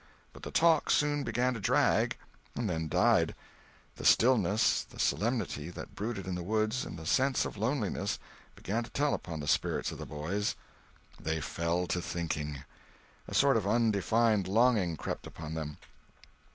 But the talk soon began to drag, and then died. The stillness, the solemnity that brooded in the woods, and the sense of loneliness, began to tell upon the spirits of the boys. They fell to thinking. A sort of undefined longing crept upon them.